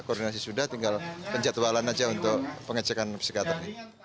koordinasi sudah tinggal penjadwalan saja untuk pengecekan psikater